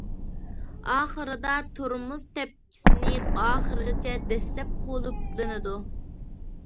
ئاخىرىدا تورمۇز تەپكىسىنى ئاخىرىغىچە دەسسەپ قۇلۇپلىنىدۇ.